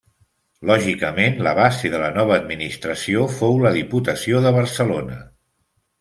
Lògicament, la base de la nova administració fou la Diputació de Barcelona.